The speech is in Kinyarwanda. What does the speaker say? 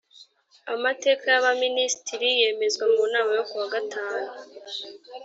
amateka y’ abaminisitiri yemezwa mu nama yo ku wa gatanu